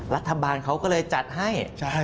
รัฐบาลเขาก็เลยจัดให้